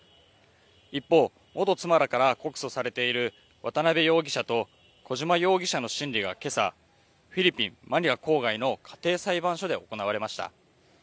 一方、元妻らから告訴されている渡辺容疑者と小島容疑者の審理が今朝フィリピン・マニラ郊外の家庭裁判所で行われました。